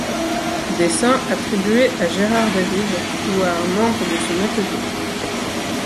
Dessins attribués à Gérard David ou à un membre de son atelier.